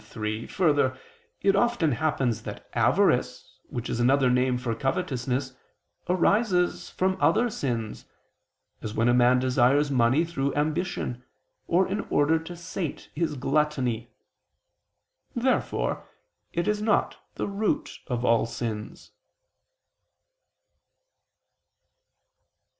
3: Further, it often happens that avarice, which is another name for covetousness, arises from other sins; as when a man desires money through ambition, or in order to sate his gluttony. Therefore it is not the root of all sins.